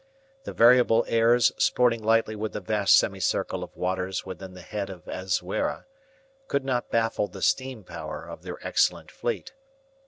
The variable airs sporting lightly with the vast semicircle of waters within the head of Azuera could not baffle the steam power of their excellent fleet.